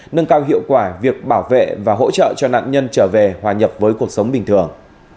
nâng cao hiệu quả việc bảo vệ và hỗ trợ cho nạn nhân trở về hòa nhập với cuộc sống bình thường